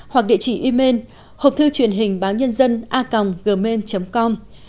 hoặc địa chỉ email hộp thư truyền hình báo nhân dân a gmain com